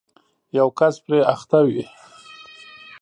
یو کس پرې اخته وي